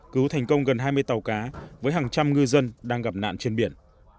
cứu thành công gần hai mươi tàu cá với hàng trăm ngư dân đang gặp nạn trên biển